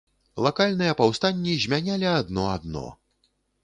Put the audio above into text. Лакальныя паўстанні змянялі адно адно.